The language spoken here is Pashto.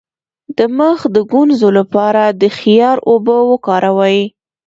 د مخ د ګونځو لپاره د خیار اوبه وکاروئ